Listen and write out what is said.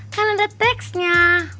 kan ada teksnya